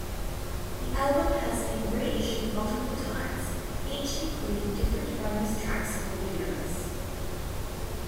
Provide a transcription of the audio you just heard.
The album has been reiussed multiple times, each including different bonus tracks or videos.